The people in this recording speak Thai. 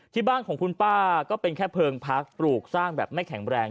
ที่บ้านของคุณป้าก็เป็นแค่เพลิงพักปลูกสร้างแบบไม่แข็งแรง